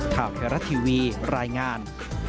ท่าวแฮร่าทีวีรายงาน